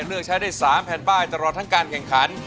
เลือกใช้ได้๓แผ่นป้ายตลอดทั้งการแข่งขัน